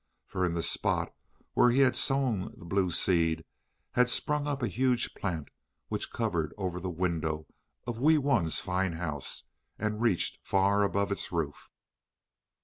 For in the spot where he had sown the blue seed had sprung up a huge plant which covered over the window of Wee Wun's fine house, and reached far above its roof.